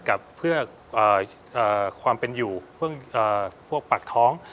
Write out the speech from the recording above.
กับเพื่อความเป็นอยู่พวกปากท้อง